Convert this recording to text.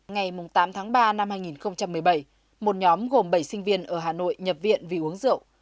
ngày tám tháng ba năm hai nghìn một mươi bảy một nhóm gồm bảy sinh viên ở hà nội nhập viện vì uống rượu